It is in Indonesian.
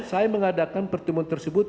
dan mengadakan pertemuan tersebut